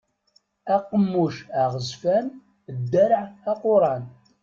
Aqemmuc aɣezfan ddarɛ aquran.